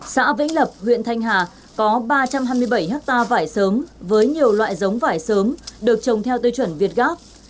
xã vĩnh lập huyện thanh hà có ba trăm hai mươi bảy hectare vải sớm với nhiều loại giống vải sớm được trồng theo tiêu chuẩn việt gáp